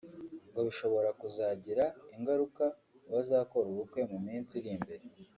ngo bishobora kuzagira ingaruka ku bazakora ubukwe mu minsi iri imbere